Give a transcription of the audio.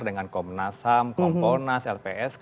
dengan komnas ham komponas lps